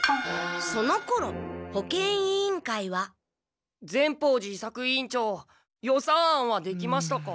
そのころ保健委員会は善法寺伊作委員長予算案はできましたか？